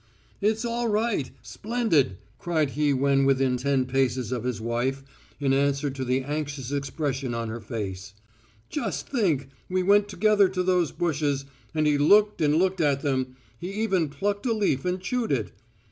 "It's all right! Splendid!" cried he when within ten paces of his wife, in answer to the anxious expression on her face. "Just think, we went together to those bushes, and he looked and looked at them he even plucked a leaf and chewed it.